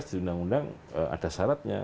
di undang undang ada syaratnya